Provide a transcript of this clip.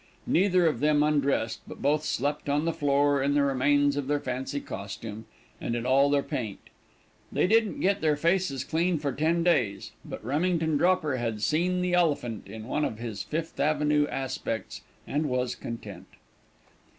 Neither of them undressed, but both slept on the floor in the remains of their fancy costume, and in all their paint; they didn't get their faces clean for ten days, but Remington Dropper had seen the Elephant in one of his Fifth Avenue aspects, and was content.